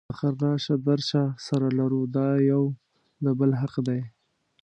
اخر راشه درشه سره لرو دا یو د بل حق دی.